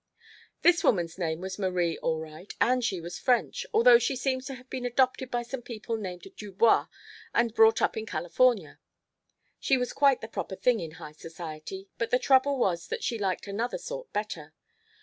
"This woman's name was Marie all right, and she was French, although she seems to have been adopted by some people named Dubois and brought up in California. She was quite the proper thing in high society, but the trouble was that she liked another sort better.